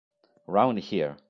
Round Here